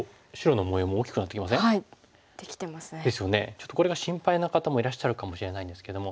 ちょっとこれが心配な方もいらっしゃるかもしれないんですけども。